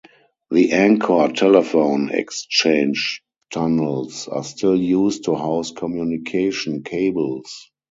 The Anchor telephone exchange tunnels are still used to house communication cables.